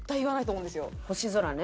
「星空」ね！